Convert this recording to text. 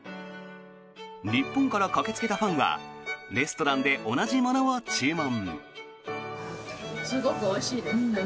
日本から駆けつけたファンはレストランで同じものを注文。